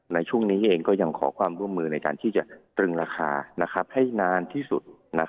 ในช่วงนี้เองก็ยังขอความร่วมมือในการที่จะตรึงราคาให้นานที่สุด